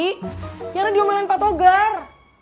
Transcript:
karena diomelin pak togar